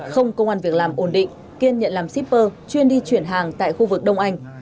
không công an việc làm ổn định kiên nhận làm shipper chuyên đi chuyển hàng tại khu vực đông anh